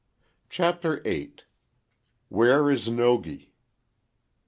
CHAPTER VIII WHERE IS NOGI?